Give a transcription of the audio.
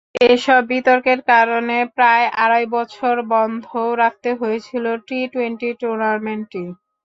এসব বিতর্কের কারণে প্রায় আড়াই বছর বন্ধও রাখতে হয়েছিল টি-টোয়েন্টি টুর্নামেন্টটি।